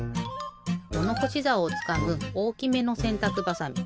ものほしざおをつかむおおきめのせんたくばさみ。